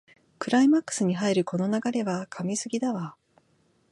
クライマックスに入るこの流れは神すぎだわ